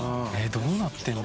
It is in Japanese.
どうなってんの？